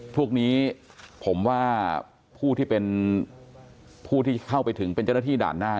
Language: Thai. พวกนี้ผมว่าผู้ที่เป็นผู้ที่เข้าไปถึงเป็นเจ้าหน้าที่ด่านหน้า